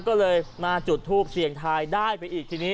ก็เลยมาจุดทูปเสี่ยงทายได้ไปอีกทีนี้